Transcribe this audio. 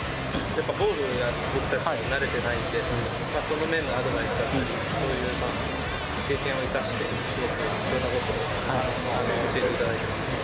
ボールに慣れてないんで、その面のアドバイスだったり、そういう経験を生かして、すごくいろんなことを教えていただいてます。